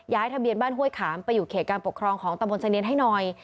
ทะเบียนบ้านห้วยขามไปอยู่เขตการปกครองของตะบนเสนียนให้หน่อย